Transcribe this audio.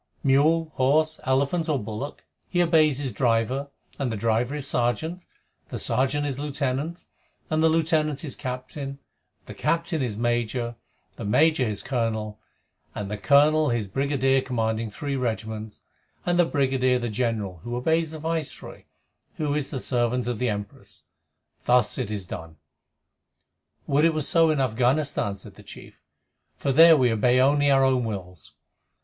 Mule, horse, elephant, or bullock, he obeys his driver, and the driver his sergeant, and the sergeant his lieutenant, and the lieutenant his captain, and the captain his major, and the major his colonel, and the colonel his brigadier commanding three regiments, and the brigadier the general, who obeys the Viceroy, who is the servant of the Empress. Thus it is done." "Would it were so in Afghanistan!" said the chief, "for there we obey only our own wills."